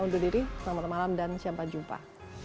undur diri selamat malam dan sampai jumpa